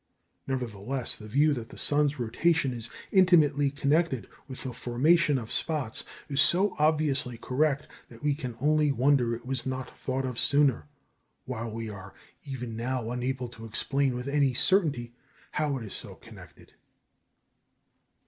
Nevertheless, the view that the sun's rotation is intimately connected with the formation of spots is so obviously correct, that we can only wonder it was not thought of sooner, while we are even now unable to explain with any certainty how it is so connected.